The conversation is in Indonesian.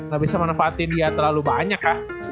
gak bisa manfaatin dia terlalu banyak